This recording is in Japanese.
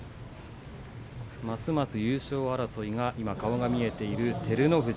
ますます優勝争いが顔が見えている照ノ富士